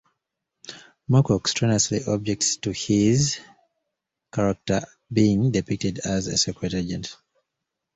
Moorcock strenuouly objects to his character being depicted as a 'secret agent'.